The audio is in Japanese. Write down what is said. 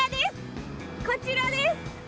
こちらです！